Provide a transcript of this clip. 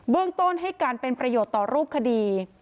เรื่องต้นให้การเป็นประโยชน์ต่อรูปคดี